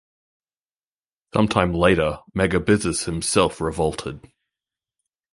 Some time later Megabyzus himself revolted.